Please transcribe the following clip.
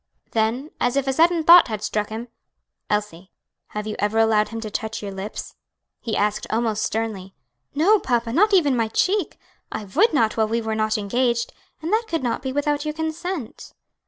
Then as if a sudden thought had struck him, "Elsie, have you ever allowed him to touch your lips?" he asked almost sternly. "No, papa, not even my cheek. I would not while we were not engaged; and that could not be without your consent."